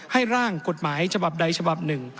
ร่างกฎหมายฉบับใดฉบับหนึ่ง